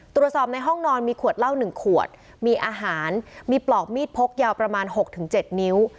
ตรวจสอบในห้องนอนมีขวดเล่าหนึ่งขวดมีอาหารมีปลอบมีดพกยาวประมาณหกถึงเจ็ดนิ้ว